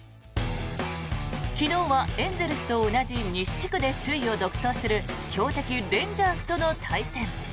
昨日はエンゼルスと同じ西地区で首位を独走する強敵レンジャーズとの対戦。